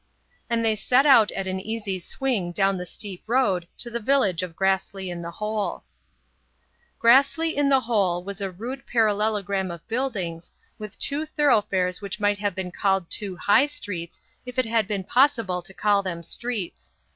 And they set out at an easy swing down the steep road to the village of Grassley in the Hole. Grassley in the Hole was a rude parallelogram of buildings, with two thoroughfares which might have been called two high streets if it had been possible to call them streets.